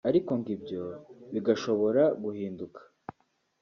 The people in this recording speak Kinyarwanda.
ariko ngo ibyo bigashobora guhinduka